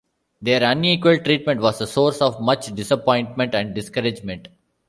Their unequal treatment was a source of much disappointment and discouragement.